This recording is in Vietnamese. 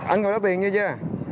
anh không đáp tiền như chưa